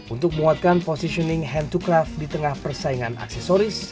untuk menguatkan positioning hand to craft di tengah persaingan aksesoris